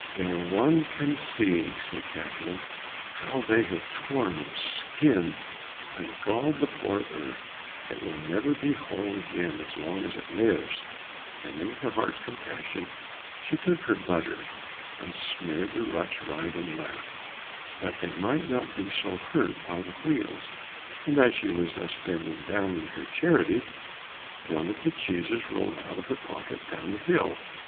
"There one can see," said Catherine, "how they have torn and skinned and galled the poor earth, it will never be whole again as long as it lives," and in her heart's compassion she took her butter and smeared the ruts right and left, that they might not be so hurt by the wheels, and as she was thus bending down in her charity, one of the cheeses rolled out of her pocket down the hill.